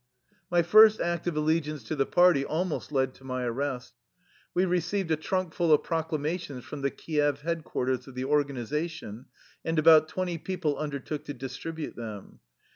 My first act of allegiance to the party almost led to my arrest. We received a trunkful of proclamations from the Kief headquarters of the organization, and about twenty people under took to distribute them.